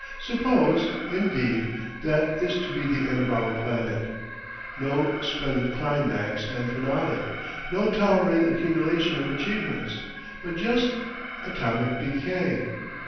Suppose, indeed, that is to be the end of our planet; no splendid climax and finale, no towering accumulation of achievements, but just—atomic decay!